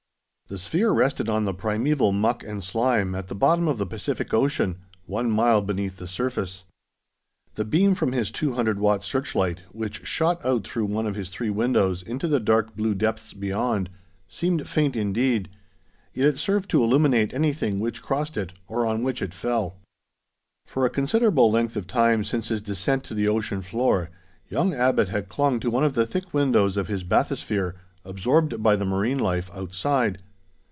The sphere rested on the primeval muck and slime at the bottom of the Pacific Ocean, one mile beneath the surface. The beam from his 200 watt searchlight, which shot out through one of his three windows into the dark blue depths beyond, seemed faint indeed, yet it served to illuminate anything which crossed it, or on which it fell. For a considerable length of time since his descent to the ocean floor, young Abbot had clung to one of the thick windows of his bathysphere, absorbed by the marine life outside.